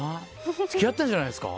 付き合ったんじゃないですか。